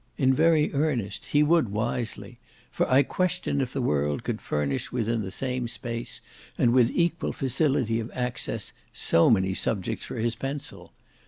In very earnest, he would wisely, for I question if the world could furnish within the same space, and with equal facility of access, so many subjects for his pencil.